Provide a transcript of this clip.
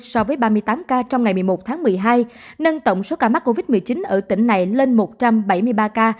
so với ba mươi tám ca trong ngày một mươi một tháng một mươi hai nâng tổng số ca mắc covid một mươi chín ở tỉnh này lên một trăm bảy mươi ba ca